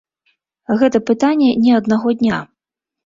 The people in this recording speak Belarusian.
Гэта пытанне не аднаго дня.